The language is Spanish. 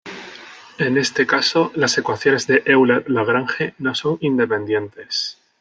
En este caso, las ecuaciones de Euler–Lagrange no son independientes.